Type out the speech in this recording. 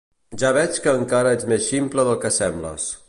Ja veig que encara ets més ximple del que sembles!